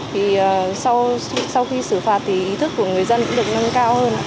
thì sau khi xử phạt thì ý thức của người dân cũng được nâng cao hơn